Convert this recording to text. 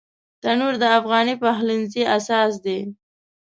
تنور د افغاني پخلنځي اساس دی